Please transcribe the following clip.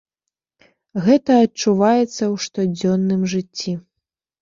Гэта адчуваецца ў штодзённым жыцці.